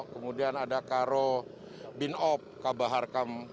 kemudian ada karo binob kabah harkam